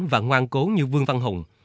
và ngoan cố như vương văn hùng